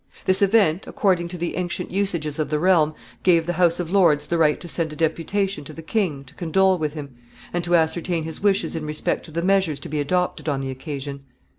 This event, according to the ancient usages of the realm, gave the House of Lords the right to send a deputation to the king to condole with him, and to ascertain his wishes in respect to the measures to be adopted on the occasion.